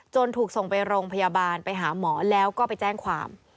ถูกส่งไปโรงพยาบาลไปหาหมอแล้วก็ไปแจ้งความ